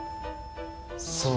そう。